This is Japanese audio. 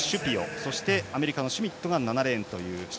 そしてアメリカのシュミットが７レーン。